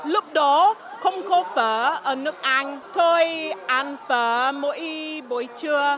lúc đó không có phở ở nước anh thôi ăn phở mỗi buổi trưa